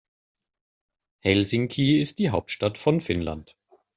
Helsinki ist die Hauptstadt von Finnland.